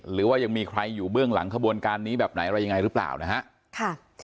หรือว่ายังมีใครอยู่เบื้องหลังขบวนการนี้แบบไหนอะไรยังไงหรือเปล่านะฮะ